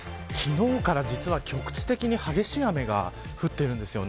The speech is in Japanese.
昨日から実は局地的に激しい雨が降っているんです。